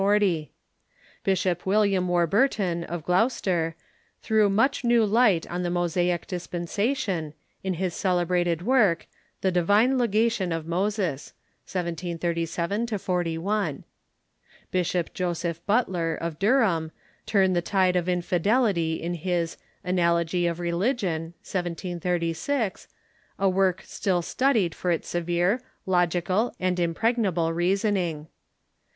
Bishop William Warburton, of Gloucester, threw much new light on the Mosaic dispensation, in his celebrated Mork, "The Divine Legation of Moses" (1737 41). Bishop Joseph Butler, of Durham, turned the tide of infidelity in his "Anal ogy of Religion" (1736), a work still studied for its severe, logical, and impregnable reasoning.